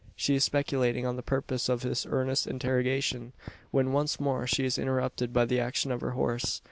She is speculating on the purpose of his earnest interrogation; when once more she is interrupted by the action of her horse.